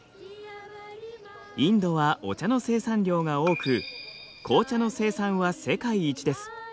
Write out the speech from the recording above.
インドはお茶の生産量が多く紅茶の生産は世界一です。